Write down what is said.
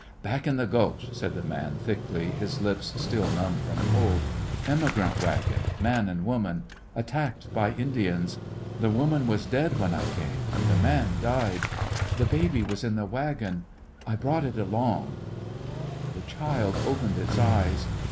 '' Back in the gulch/' said the man, thickly, his lips still numb from cold, " emigrant wagon — man and woman — attacked by Indians. The woman was dead when I came, the man died; the baby was in the wagon; I brought it along." The child opened its eyes.